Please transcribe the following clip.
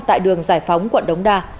tại đường giải phóng quận đống đa